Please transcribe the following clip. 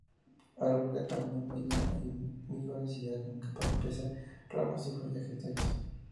Árbol de tamaño mediano y vigorosidad, con copa espesa, ramas y follaje denso.